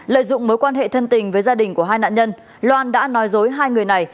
lợi dụng mối quan hệ thân tình với gia đình của hai nạn nhân loan đã nói dối hai người này